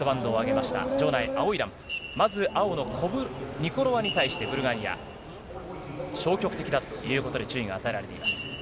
まず青のニコロバにに対して、ブルガリア、消極的だということで、注意が与えられています。